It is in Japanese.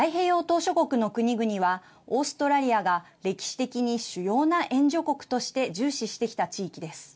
島しょ国の国々はオーストラリアが、歴史的に主要な援助国として重視してきた地域です。